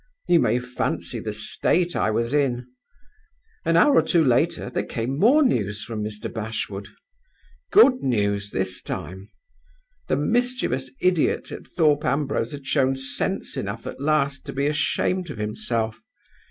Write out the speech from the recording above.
You may fancy the state I was in! An hour or two later there came more news from Mr. Bashwood good news this time. The mischievous idiot at Thorpe Ambrose had shown sense enough at last to be ashamed of himself.